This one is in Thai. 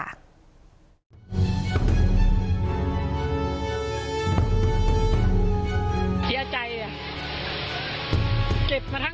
มัวตะไฟก็นั่นแหละ